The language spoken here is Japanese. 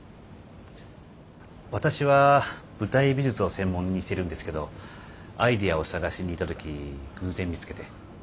私は舞台美術を専門にしてるんですけどアイデアを探しに行った時偶然見つけて。